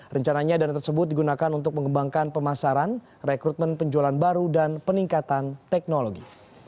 rencananya dana tersebut digunakan untuk mengembangkan pemasaran rekrutmen penjualan baru dan peningkatan teknologi